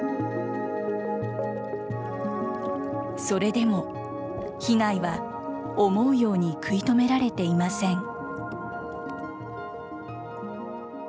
それでも被害は思うように食い止められていません。